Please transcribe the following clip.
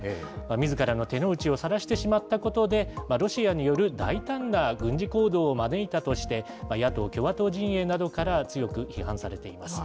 みずからの手の内をさらしてしまったことで、ロシアによる大胆な軍事行動を招いたとして、野党・共和党陣営などから強く批判されています。